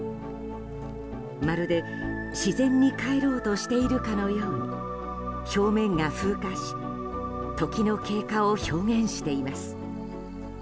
まるで、自然にかえろうとしているかのように表面が風化し時の経過を表現しています。